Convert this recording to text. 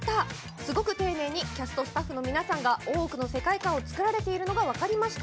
すごく丁寧にキャストスタッフの皆さんが「大奥」の世界観を作られているのが分かりました。